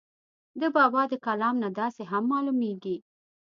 د بابا دَکلام نه داسې هم معلوميږي